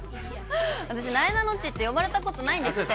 私、なえなのっちって呼ばれたことないんですって。